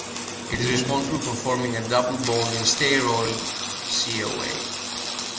It is responsible for forming a double bond in Stearoyl-CoA.